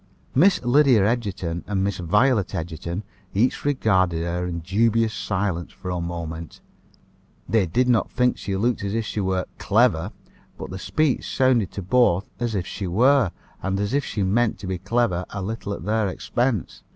Miss Lydia Egerton and Miss Violet Egerton each regarded her in dubious silence for a moment. They did not think she looked as if she were "clever;" but the speech sounded to both as if she were, and as if she meant to be clever a little at their expense.